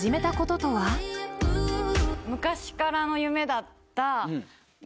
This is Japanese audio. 昔からの夢だった。